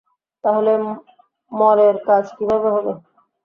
তাহলে মলের কাজ কীভাবে হবে?